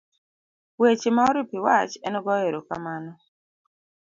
weche ma oripo iwach en goyo erokamano,